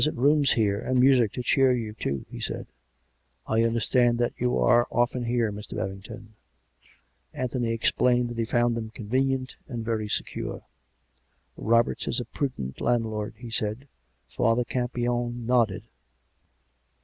" You have pleasant rooms here, and music to cheer you, 150 COME RACK! COME ROPE! too," he said. " I understand that you are often here, Mr. Babington." Anthony explained that he found them convenient and very secure. " Roberts is a prudent landlord," he said. Father Campion nodded.